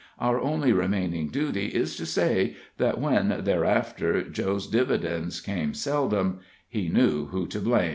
Our only remaining duty is to say that when, thereafter, Joe's dividends came seldom, he knew who to blame.